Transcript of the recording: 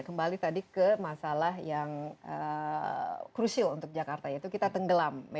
kembali tadi ke masalah yang krusial untuk jakarta yaitu kita tenggelam